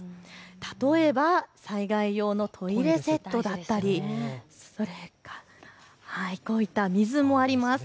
例えば災害用のトイレセットだったりこういった水もあります。